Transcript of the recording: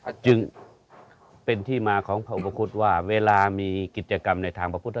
จึงเป็นที่มาของพระอุปคุฎว่าเวลามีกิจกรรมในทางพระพุทธ